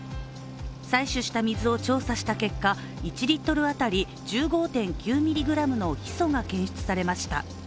採取した水を調査した結果、１リットル当たり１５．９ｍｇのヒ素が検出されました。